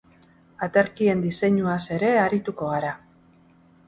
Aterkien diseinuaz ere arituko gara.